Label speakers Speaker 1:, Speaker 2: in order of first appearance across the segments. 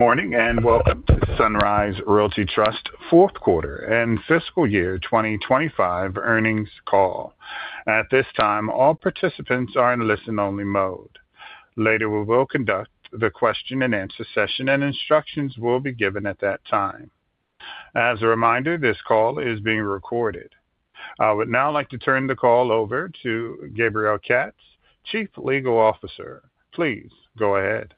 Speaker 1: Good morning and welcome to Sunrise Realty Trust fourth quarter and fiscal year 2025 earnings call. At this time, all participants are in listen-only mode. Later, we will conduct the question-and-answer session and instructions will be given at that time. As a reminder, this call is being recorded. I would now like to turn the call over to Gabriel Katz, Chief Legal Officer. Please go ahead.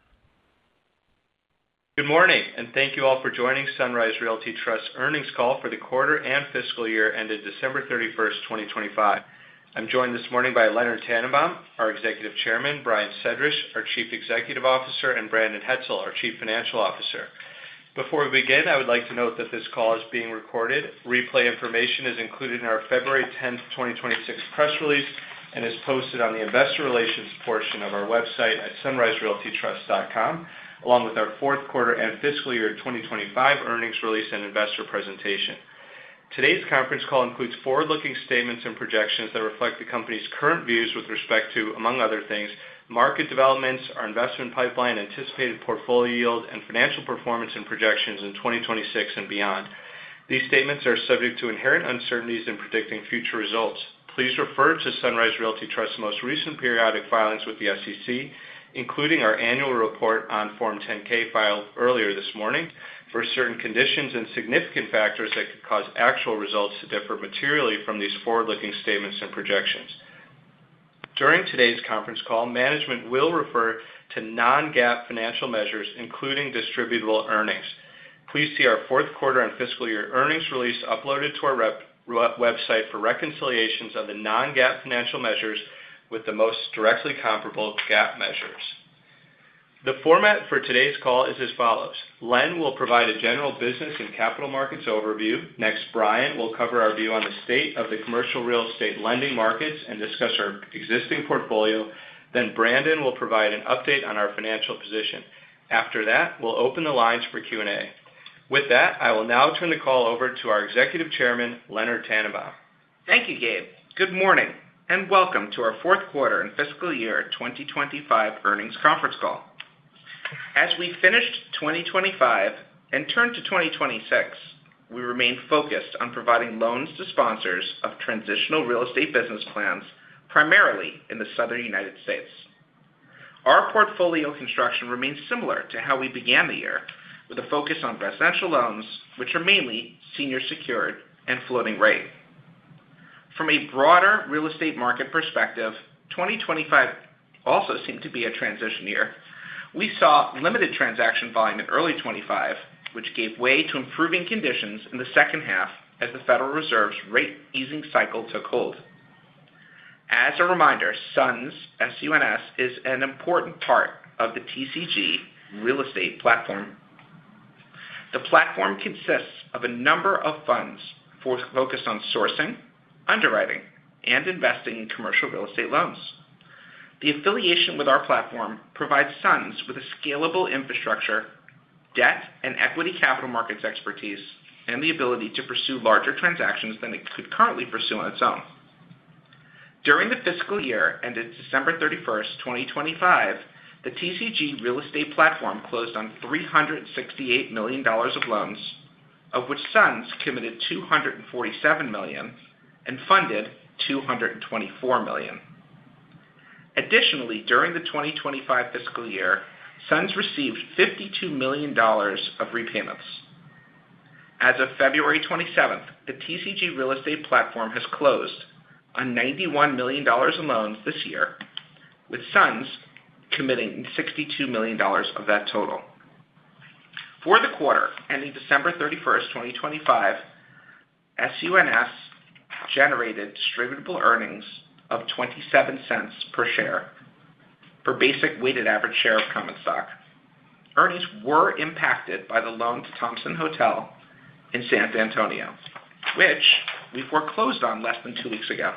Speaker 2: Good morning, and thank you all for joining Sunrise Realty Trust earnings call for the quarter and fiscal year ended December 31st, 2025. I'm joined this morning by Leonard Tannenbaum, our Executive Chairman, Brian Sedrish, our Chief Executive Officer, and Brandon Hetzel, our Chief Financial Officer. Before we begin, I would like to note that this call is being recorded. Replay information is included in our February 10th, 2026 press release and is posted on the investor relations portion of our website at sunriserealtytrust.com, along with our fourth quarter and fiscal year 2025 earnings release and investor presentation. Today's conference call includes forward-looking statements and projections that reflect the company's current views with respect to, among other things, market developments, our investment pipeline, anticipated portfolio yield, and financial performance and projections in 2026 and beyond. These statements are subject to inherent uncertainties in predicting future results. Please refer to Sunrise Realty Trust's most recent periodic filings with the SEC, including our annual report on Form 10-K filed earlier this morning, for certain conditions and significant factors that could cause actual results to differ materially from these forward-looking statements and projections. During today's conference call, management will refer to non-GAAP financial measures, including distributable earnings. Please see our fourth quarter and fiscal year earnings release uploaded to our website for reconciliations of the non-GAAP financial measures with the most directly comparable GAAP measures. The format for today's call is as follows. Len will provide a general business and capital markets overview. Next, Brian will cover our view on the state of the commercial real estate lending markets and discuss our existing portfolio. Then Brandon will provide an update on our financial position. After that, we'll open the lines for Q&A. With that, I will now turn the call over to our Executive Chairman, Leonard Tannenbaum.
Speaker 3: Thank you, Gabe. Good morning and welcome to our fourth quarter and fiscal year 2025 earnings conference call. As we finished 2025 and turned to 2026, we remain focused on providing loans to sponsors of transitional real estate business plans, primarily in the Southern United States. Our portfolio construction remains similar to how we began the year, with a focus on residential loans, which are mainly senior secured and floating rate. From a broader real estate market perspective, 2025 also seemed to be a transition year. We saw limited transaction volume in early 2025, which gave way to improving conditions in the second half as the Federal Reserve's rate easing cycle took hold. As a reminder, SUNS, S-U-N-S, is an important part of the TCG real estate platform. The platform consists of a number of funds focused on sourcing, underwriting, and investing in commercial real estate loans. The affiliation with our platform provides SUNS with a scalable infrastructure, debt and equity capital markets expertise, and the ability to pursue larger transactions than it could currently pursue on its own. During the fiscal year ended December 31st, 2025, the TCG real estate platform closed on $368 million of loans, of which SUNS committed $247 million and funded $224 million. Additionally, during the 2025 fiscal year, SUNS received $52 million of repayments. As of February 27th, the TCG real estate platform has closed on $91 million in loans this year, with SUNS committing $62 million of that total. For the quarter ending December 31st, 2025, SUNS generated distributable earnings of $0.27 per share for basic weighted average share of common stock. Earnings were impacted by the loan to Thompson Hotels in San Antonio, which we foreclosed on less than two weeks ago.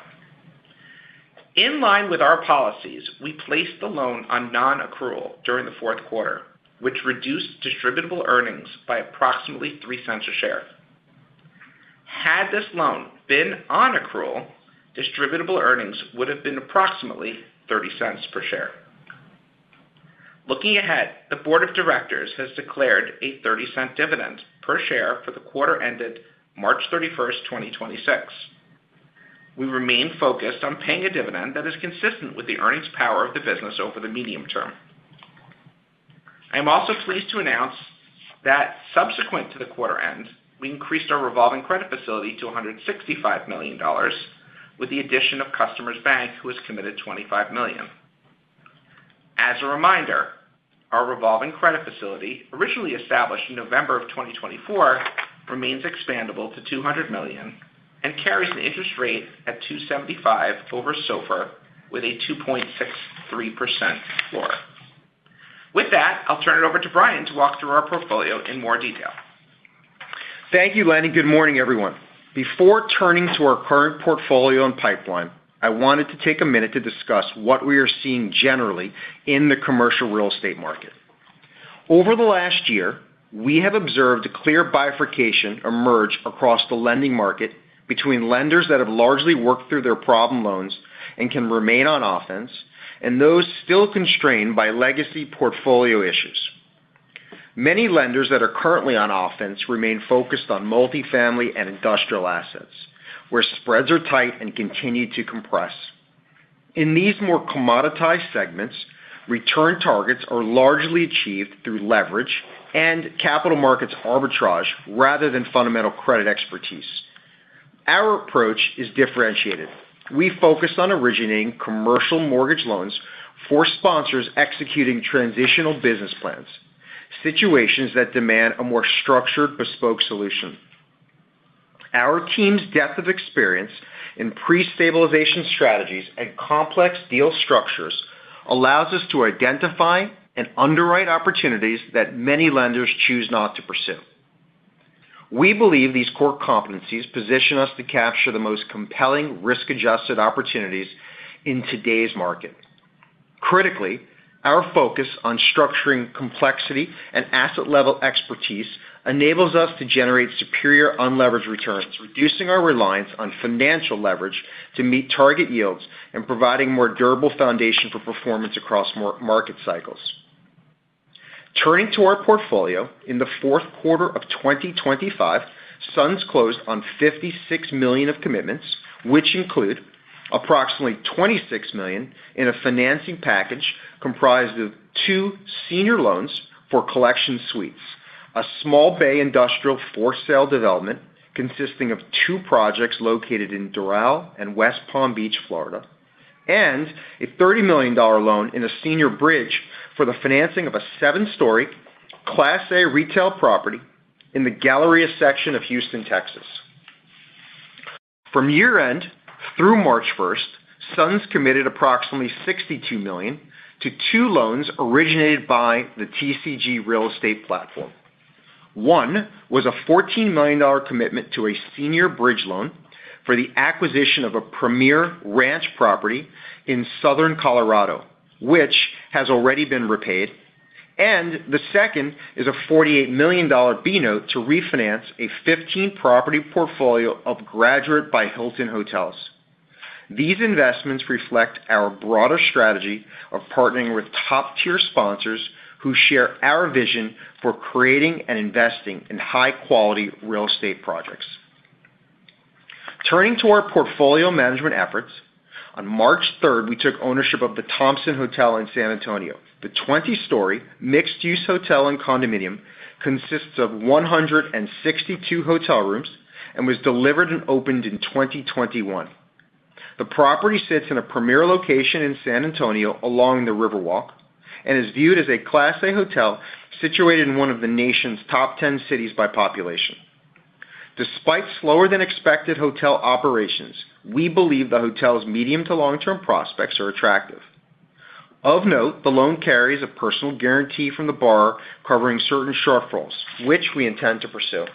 Speaker 3: In line with our policies, we placed the loan on non-accrual during the fourth quarter, which reduced distributable earnings by approximately $0.03 a share. Had this loan been on accrual, distributable earnings would have been approximately $0.30 per share. Looking ahead, the board of directors has declared a $0.30 dividend per share for the quarter ended March 31st, 2026. We remain focused on paying a dividend that is consistent with the earnings power of the business over the medium term. I am also pleased to announce that subsequent to the quarter end, we increased our revolving credit facility to $165 million with the addition of Customers Bank, who has committed $25 million. As a reminder, our revolving credit facility, originally established in November of 2024, remains expandable to $200 million and carries an interest rate at 2.75 over SOFR with a 2.63% floor. With that, I'll turn it over to Brian to walk through our portfolio in more detail.
Speaker 4: Thank you, Lenny. Good morning, everyone. Before turning to our current portfolio and pipeline, I wanted to take a minute to discuss what we are seeing generally in the commercial real estate market. Over the last year, we have observed a clear bifurcation emerge across the lending market between lenders that have largely worked through their problem loans and can remain on offense. Those still constrained by legacy portfolio issues. Many lenders that are currently on offense remain focused on multifamily and industrial assets, where spreads are tight and continue to compress. In these more commoditized segments, return targets are largely achieved through leverage and capital markets arbitrage rather than fundamental credit expertise. Our approach is differentiated. We focus on originating commercial mortgage loans for sponsors executing transitional business plans, situations that demand a more structured bespoke solution. Our team's depth of experience in pre-stabilization strategies and complex deal structures allows us to identify and underwrite opportunities that many lenders choose not to pursue. We believe these core competencies position us to capture the most compelling risk-adjusted opportunities in today's market. Critically, our focus on structuring complexity and asset-level expertise enables us to generate superior unlevered returns, reducing our reliance on financial leverage to meet target yields and providing more durable foundation for performance across market cycles. Turning to our portfolio, in the fourth quarter of 2025, SUNS closed on $56 million of commitments, which include approximately $26 million in a financing package comprised of two senior loans for Collection Suites, a small-bay industrial for-sale development consisting of two projects located in Doral and West Palm Beach, Florida, and a $30 million loan in a senior bridge for the financing of a seven-story Class A retail property in the Galleria section of Houston, Texas. From year-end through March first, SUNS committed approximately $62 million to two loans originated by the TCG real estate platform. One was a $14 million commitment to a senior bridge loan for the acquisition of a premier ranch property in Southern Colorado, which has already been repaid. The second is a $48 million B-note to refinance a 15-property portfolio of Graduate by Hilton Hotels. These investments reflect our broader strategy of partnering with top-tier sponsors who share our vision for creating and investing in high-quality real estate projects. Turning to our portfolio management efforts, on March 3rd, we took ownership of the Thompson Hotel in San Antonio. The 20-story mixed-use hotel and condominium consists of 162 hotel rooms and was delivered and opened in 2021. The property sits in a premier location in San Antonio along the Riverwalk and is viewed as a Class A hotel situated in one of the nation's top 10 cities by population. Despite slower than expected hotel operations, we believe the hotel's medium to long-term prospects are attractive. Of note, the loan carries a personal guarantee from the borrower covering certain shortfalls, which we intend to pursue.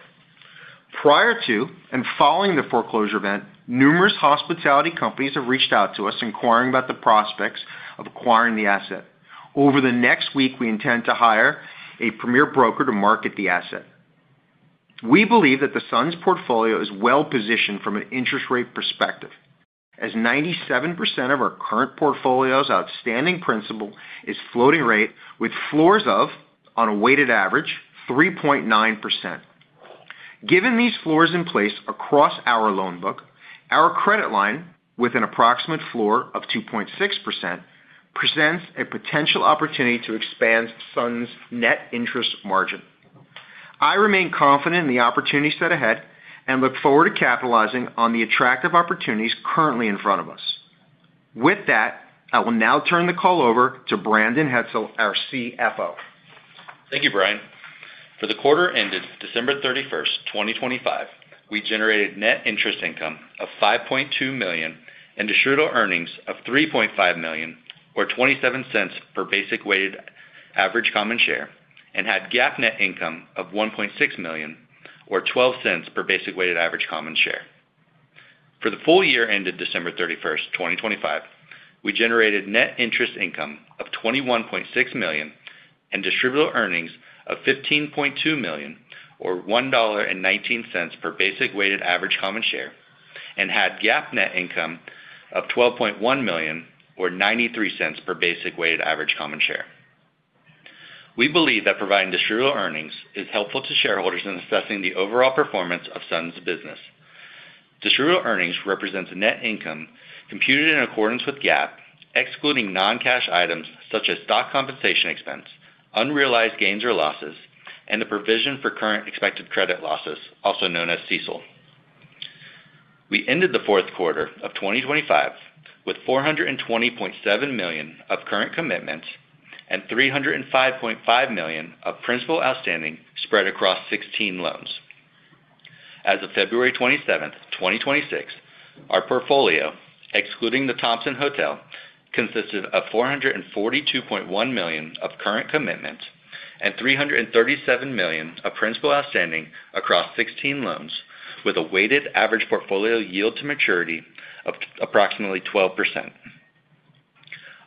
Speaker 4: Prior to and following the foreclosure event, numerous hospitality companies have reached out to us inquiring about the prospects of acquiring the asset. Over the next week, we intend to hire a premier broker to market the asset. We believe that the SUNS portfolio is well-positioned from an interest rate perspective, as 97% of our current portfolio's outstanding principal is floating rate with floors of, on a weighted average, 3.9%. Given these floors in place across our loan book, our credit line with an approximate floor of 2.6% presents a potential opportunity to expand SUNS' net interest margin. I remain confident in the opportunity set ahead and look forward to capitalizing on the attractive opportunities currently in front of us. With that, I will now turn the call over to Brandon Hetzel, our CFO.
Speaker 5: Thank you, Brian. For the quarter ended December 31, 2025, we generated net interest income of $5.2 million and distributable earnings of $3.5 million or $0.27 per basic weighted average common share and had GAAP net income of $1.6 million or $0.12 per basic weighted average common share. For the full year ended December 31st, 2025, we generated net interest income of $21.6 million and distributable earnings of $15.2 million or $1.19 per basic weighted average common share and had GAAP net income of $12.1 million or $0.93 per basic weighted average common share. We believe that providing distributable earnings is helpful to shareholders in assessing the overall performance of SUNS business. Distributable earnings represents net income computed in accordance with GAAP, excluding non-cash items such as stock compensation expense, unrealized gains or losses, and the provision for current expected credit losses, also known as CECL. We ended the fourth quarter of 2025 with $420.7 million of current commitments and $305.5 million of principal outstanding spread across 16 loans. As of February 27th, 2026, our portfolio, excluding the Thompson Hotels, consisted of $442.1 million of current commitments and $337 million of principal outstanding across 16 loans with a weighted average portfolio yield to maturity of approximately 12%.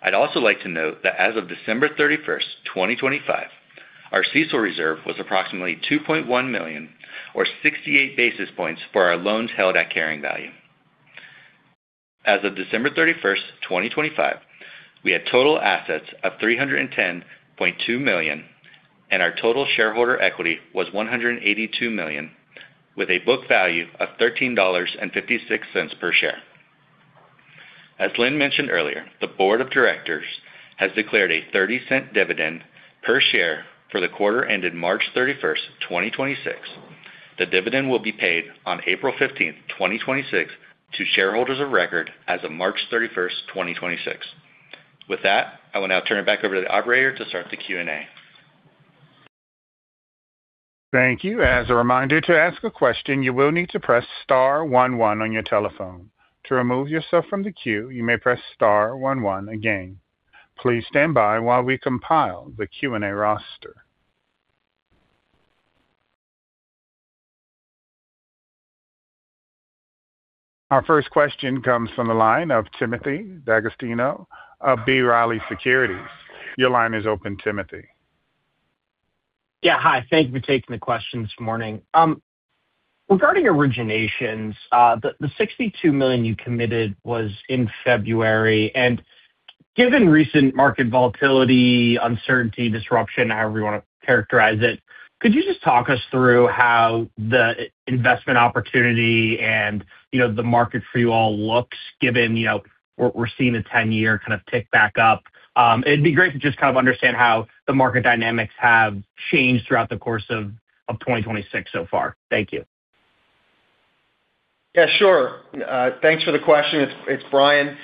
Speaker 5: I'd also like to note that as of December 31st, 2025. Our CECL reserve was approximately $2.1 million or 68 basis points for our loans held at carrying value. As of December 31st, 2025, we had total assets of $310.2 million, and our total shareholder equity was $182 million with a book value of $13.56 per share. As Len mentioned earlier, the board of directors has declared a 30-cent dividend per share for the quarter ended March 31st, 2026. The dividend will be paid on April 15th, 2026 to shareholders of record as of March 31st, 2026. With that, I will now turn it back over to the operator to start the Q&A.
Speaker 1: Thank you. As a reminder, to ask a question, you will need to press star one one on your telephone. To remove yourself from the queue, you may press star one one again. Please stand by while we compile the Q&A roster. Our first question comes from the line of Timothy D'Agostino of B. Riley Securities. Your line is open, Timothy.
Speaker 6: Yeah, Hi. Thank you for taking the question this morning. Regarding originations, the $62 million you committed was in February. Given recent market volatility, uncertainty, disruption, however you want to characterize it, could you just talk us through how the investment opportunity and, you know, the market for you all looks given, you know, we're seeing the 10-year kind of tick back up? It'd be great to just kind of understand how the market dynamics have changed throughout the course of 2026 so far. Thank you.
Speaker 4: Yeah, sure. Thanks for the question. It's Brian.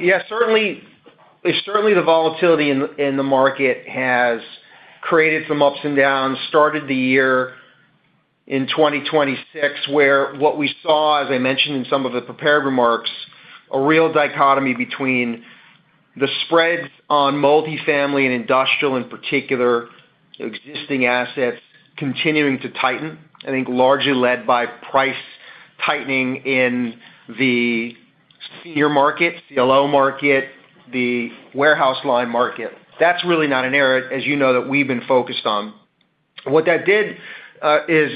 Speaker 4: Yeah, certainly the volatility in the market has created some ups and downs. Started the year in 2026, where what we saw, as I mentioned in some of the prepared remarks, a real dichotomy between the spreads on multifamily and industrial, in particular, existing assets continuing to tighten. I think largely led by price tightening in the senior market, CLO market, the warehouse line market. That's really not an area, as you know, that we've been focused on. What that did is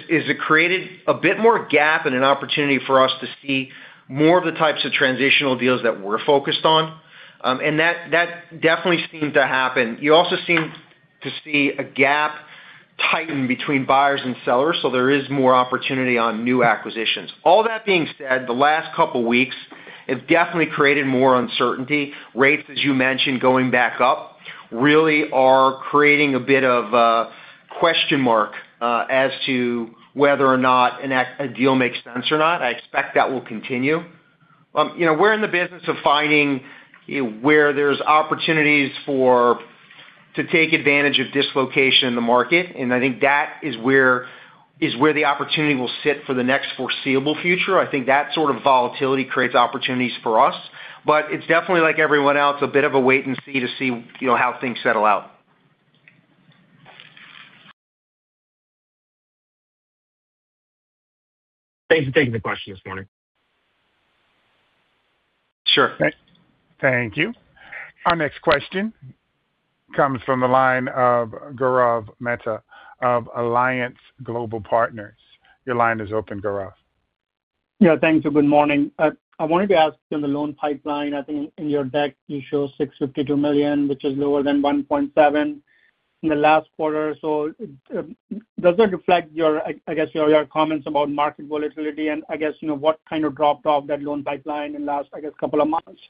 Speaker 4: it created a bit more gap and an opportunity for us to see more of the types of transitional deals that we're focused on. That definitely seemed to happen. You also seem to see a gap tighten between buyers and sellers, so there is more opportunity on new acquisitions. All that being said, the last couple weeks have definitely created more uncertainty. Rates, as you mentioned, going back up really are creating a bit of a question mark as to whether or not a deal makes sense or not. I expect that will continue. You know, we're in the business of finding where there's opportunities to take advantage of dislocation in the market, and I think that is where the opportunity will sit for the next foreseeable future. I think that sort of volatility creates opportunities for us. It's definitely like everyone else, a bit of a wait and see, you know, how things settle out.
Speaker 6: Thanks for taking the question this morning.
Speaker 4: Sure.
Speaker 1: Thank you. Our next question comes from the line of Gaurav Mehta of Alliance Global Partners. Your line is open, Gaurav.
Speaker 7: Yeah, thank you. Good morning. I wanted to ask you on the loan pipeline. I think in your deck, you show $652 million, which is lower than $1.7 billion in the last quarter. Does that reflect your, I guess your comments about market volatility and I guess, you know, what kind of dropped off that loan pipeline in the last, I guess, couple of months?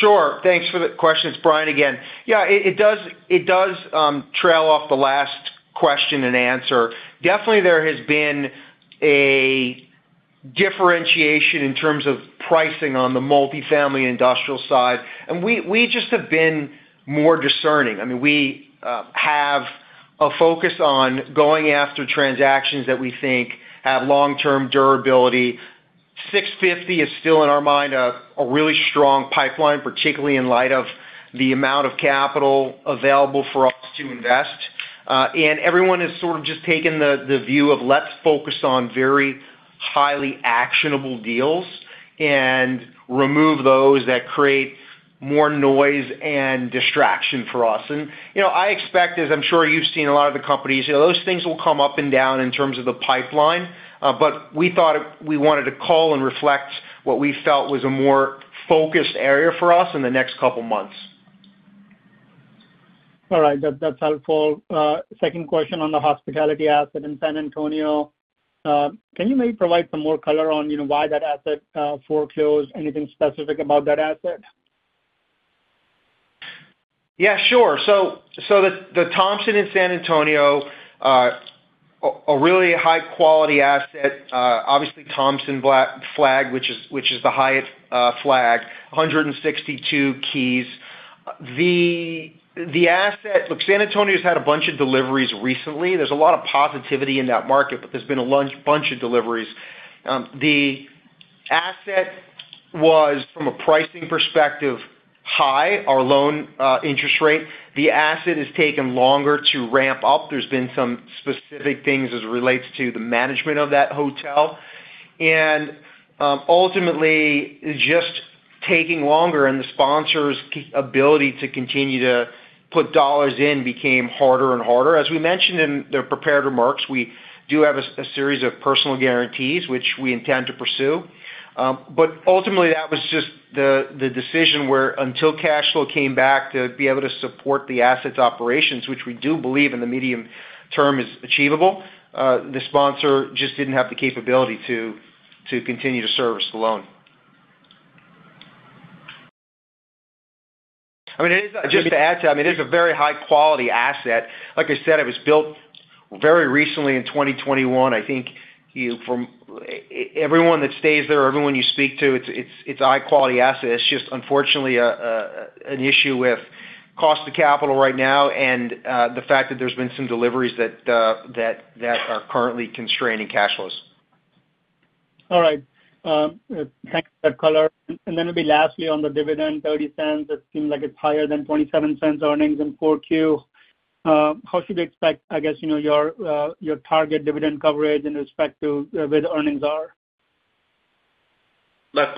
Speaker 4: Sure. Thanks for the question. It's Brian again. Yeah, it does trail off the last question and answer. Definitely, there has been a differentiation in terms of pricing on the multifamily industrial side, and we just have been more discerning. I mean, we have a focus on going after transactions that we think have long-term durability. $650 is still in our mind a really strong pipeline, particularly in light of the amount of capital available for us to invest. Everyone has sort of just taken the view of let's focus on very highly actionable deals and remove those that create more noise and distraction for us. You know, I expect, as I'm sure you've seen a lot of the companies, those things will come up and down in terms of the pipeline. We thought we wanted to call and reflect what we felt was a more focused area for us in the next couple months.
Speaker 7: All right. That's helpful. Second question on the hospitality asset in San Antonio. Can you maybe provide some more color on, you know, why that asset foreclosed? Anything specific about that asset?
Speaker 4: Yeah, sure. The Thompson in San Antonio, a really high-quality asset. Obviously Thompson flagged, which is the highest flagged, 162 keys. The asset. Look, San Antonio's had a bunch of deliveries recently. There's a lot of positivity in that market, but there's been a bunch of deliveries. The asset was, from a pricing perspective, high, our loan interest rate. The asset has taken longer to ramp up. There's been some specific things as it relates to the management of that hotel. Ultimately just taking longer and the sponsor's ability to continue to put dollars in became harder and harder. As we mentioned in the prepared remarks, we do have a series of personal guarantees which we intend to pursue. Ultimately that was just the decision where until cash flow came back to be able to support the assets operations, which we do believe in the medium term is achievable, the sponsor just didn't have the capability to continue to service the loan. Just to add to that, I mean, it's a very high-quality asset. Like I said, it was built very recently in 2021. I think from everyone that stays there or everyone you speak to, it's a high-quality asset. It's just unfortunately an issue with cost of capital right now and the fact that there's been some deliveries that are currently constraining cash flows.
Speaker 7: All right. Thanks for that color. Maybe lastly, on the dividend, $0.30, it seems like it's higher than $0.27 earnings in 4Q. How should we expect, I guess, you know, your target dividend coverage in respect to where the earnings are?
Speaker 3: This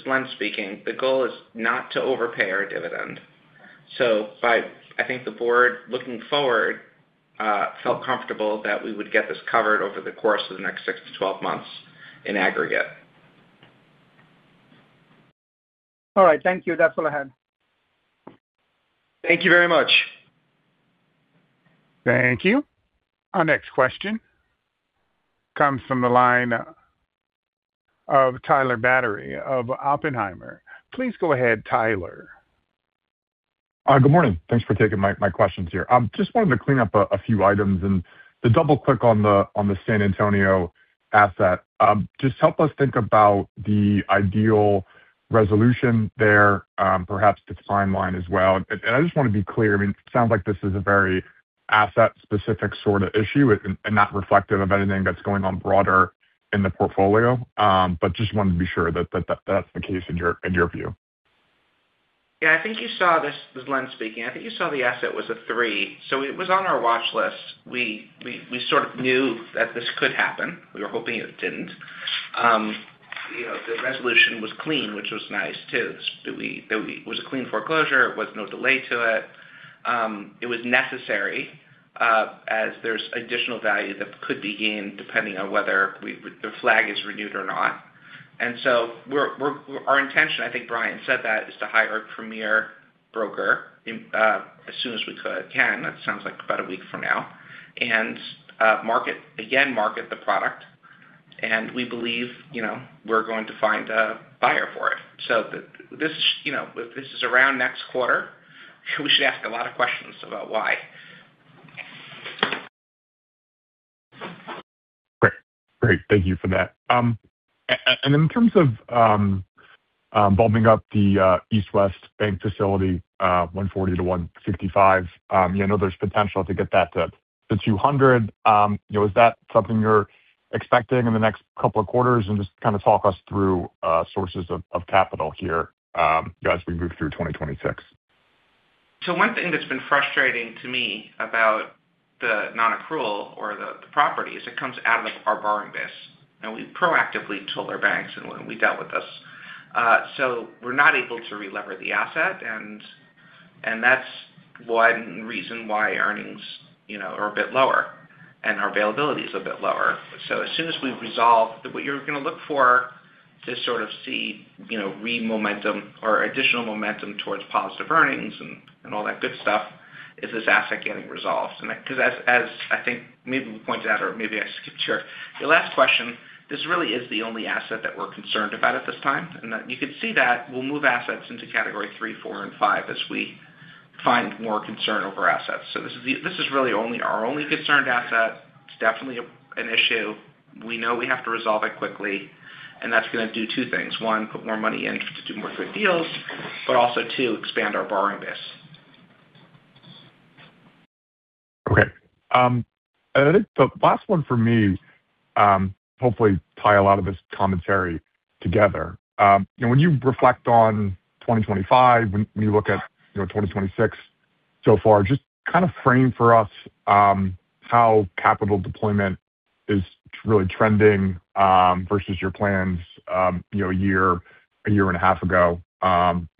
Speaker 3: is Len speaking. The goal is not to overpay our dividend. I think the board, looking forward, felt comfortable that we would get this covered over the course of the next 6-12 months in aggregate.
Speaker 7: All right. Thank you. That's all I had.
Speaker 4: Thank you very much.
Speaker 1: Thank you. Our next question comes from the line of Tyler Batory of Oppenheimer. Please go ahead, Tyler.
Speaker 8: Good morning. Thanks for taking my questions here. Just wanted to clean up a few items and to double-click on the San Antonio asset. Just help us think about the ideal resolution there, perhaps the timeline as well. I just wanna be clear, I mean, it sounds like this is a very asset-specific sorta issue and not reflective of anything that's going on broader in the portfolio. Just wanted to be sure that that's the case in your view.
Speaker 3: Yeah. I think you saw this. This is Len speaking. I think you saw the asset was a three. So it was on our watch list. We sort of knew that this could happen. We were hoping it didn't. You know, the resolution was clean, which was nice, too. It was a clean foreclosure. It was no delay to it. It was necessary, as there's additional value that could be gained depending on whether the flag is renewed or not. Our intention, I think Brian said that, is to hire a premier broker and as soon as we can, that sounds like about a week from now, and market the product, and we believe, you know, we're going to find a buyer for it. This, you know, if this is around next quarter, we should ask a lot of questions about why.
Speaker 8: Great. Thank you for that. In terms of bumping up the East West Bank facility, $140-$165, you know, there's potential to get that to $200. You know, is that something you're expecting in the next couple of quarters? Just kinda talk us through sources of capital here as we move through 2026.
Speaker 3: One thing that's been frustrating to me about the non-accrual or the properties. It comes out of our borrowing base. Now we proactively told our banks and when we dealt with this. We're not able to relever the asset and that's one reason why earnings, you know, are a bit lower and our availability is a bit lower. As soon as we resolve what you're gonna look for to sort of see, you know, re-momentum or additional momentum towards positive earnings and all that good stuff is this asset getting resolved. Because as I think maybe we pointed out or maybe I skipped your last question, this really is the only asset that we're concerned about at this time, and that you could see that we'll move assets into category three, four, and five as we find more concern over assets. This is really our only concerned asset. It's definitely an issue. We know we have to resolve it quickly, and that's gonna do two things. One, put more money in to do more good deals, but also, two, expand our borrowing base.
Speaker 8: Okay. I think the last one for me, hopefully tie a lot of this commentary together. You know, when you reflect on 2025, when you look at, you know, 2026 so far, just kind of frame for us how capital deployment is really trending versus your plans, you know, a year, a year and a half ago,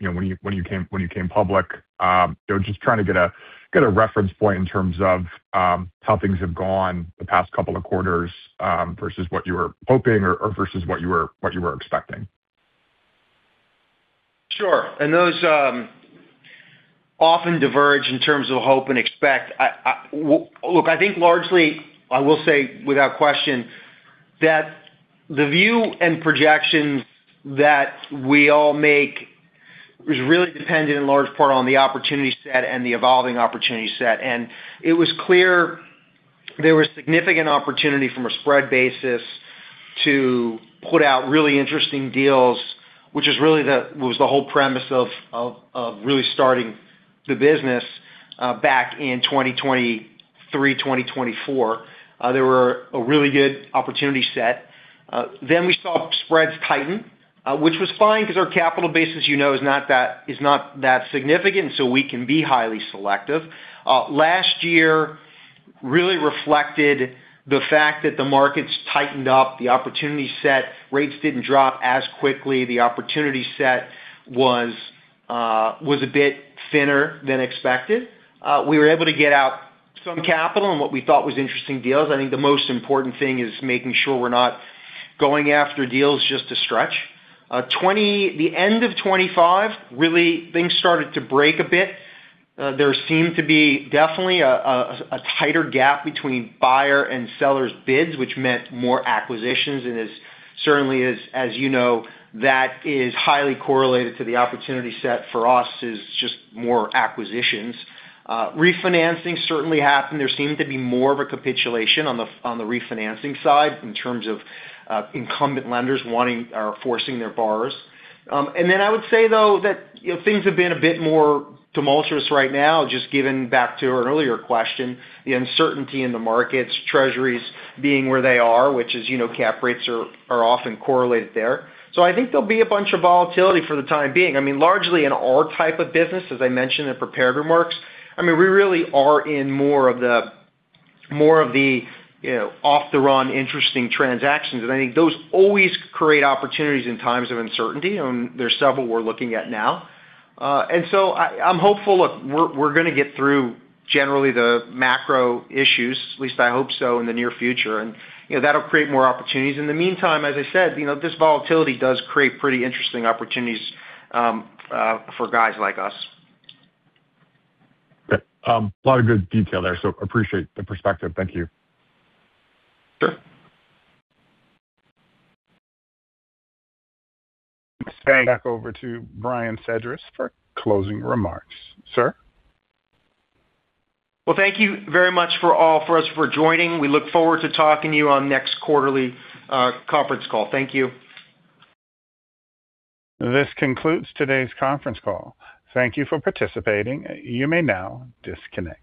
Speaker 8: you know, when you came public. You know, just trying to get a reference point in terms of how things have gone the past couple of quarters versus what you were hoping or versus what you were expecting.
Speaker 4: Sure. Those often diverge in terms of hope and expect. Look, I think largely, I will say without question that the view and projections that we all make is really dependent in large part on the opportunity set and the evolving opportunity set. It was clear there was significant opportunity from a spread basis to put out really interesting deals, which was really the whole premise of really starting the business back in 2023, 2024. There were a really good opportunity set. Then we saw spreads tighten, which was fine because our capital base, as you know, is not that significant, so we can be highly selective. Last year really reflected the fact that the markets tightened up, the opportunity set rates didn't drop as quickly. The opportunity set was a bit thinner than expected. We were able to get out some capital and what we thought was interesting deals. I think the most important thing is making sure we're not going after deals just to stretch. The end of 2025, really things started to break a bit. There seemed to be definitely a tighter gap between buyers and sellers' bids, which meant more acquisitions and is certainly, as you know, that is highly correlated to the opportunity set for us is just more acquisitions. Refinancing certainly happened. There seemed to be more of a capitulation on the refinancing side in terms of incumbent lenders wanting or forcing their borrowers. I would say though, that, you know, things have been a bit more tumultuous right now, just given, back to our earlier question, the uncertainty in the markets, Treasuries being where they are, which is, you know, cap rates are often correlated there. I think there'll be a bunch of volatility for the time being. I mean, largely in our type of business, as I mentioned in prepared remarks, I mean, we really are in more of the, you know, off the run interesting transactions. I think those always create opportunities in times of uncertainty. There's several we're looking at now. I'm hopeful, look, we're gonna get through generally the macro issues, at least I hope so in the near future. You know, that'll create more opportunities. In the meantime, as I said, you know, this volatility does create pretty interesting opportunities for guys like us.
Speaker 8: Okay. A lot of good detail there, so appreciate the perspective. Thank you.
Speaker 4: Sure.
Speaker 1: Back over to Brian Sedrish for closing remarks. Sir?
Speaker 4: Well, thank you very much for all for us for joining. We look forward to talking to you on next quarterly conference call. Thank you.
Speaker 1: This concludes today's conference call. Thank you for participating. You may now disconnect.